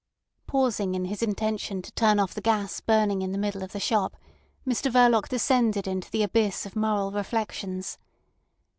Pausing in his intention to turn off the gas burning in the middle of the shop, Mr Verloc descended into the abyss of moral reflections.